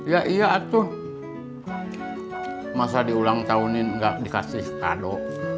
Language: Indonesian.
ya iya aduh masa diulang tahunin nggak dikasih kado